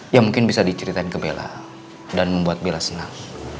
ya mungkin bisa diceritain ke bella dan membuat bella senang